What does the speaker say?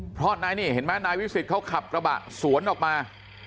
เพราะนายนี่เห็นไหมนายวิสิทธิ์เขาขับกระบะสวนออกมา